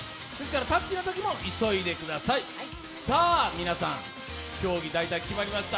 皆さん、競技、大体決まりました。